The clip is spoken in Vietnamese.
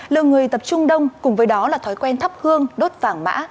lượng người tập trung đông cùng với đó là thói quen thắp hương đốt vàng mã